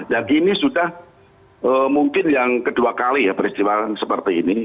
dan ini sudah mungkin yang kedua kali peristiwa seperti ini